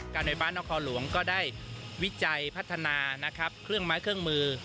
การไหนบ้านนครหลวงก็ได้วิจัยพัฒนาเครื่องม้ายเครื่องมือ